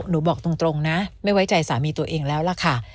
บอกตรงนะไม่ไว้ใจสามีตัวเองแล้วล่ะค่ะ